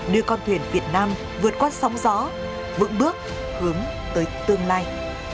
đưa con thuyền việt nam vượt qua sóng gió vững bước hướng tới tương lai